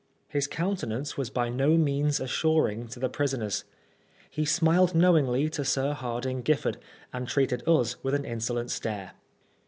His countenance was by no means assuring to the 68 PRISONER FOR BLASPHEMY. "prisoners." He smiled knowingly to Sir Hardinge Giffard, and treated ns with an insolent stare.